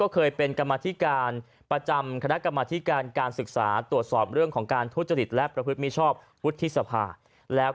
คดีจำนำข้าวของนางสาวยิ่งรักชินวัตรด้วย